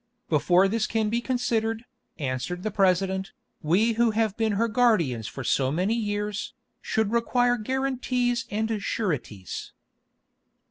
"Before this can be considered," answered the President, "we who have been her guardians for so many years, should require guarantees and sureties."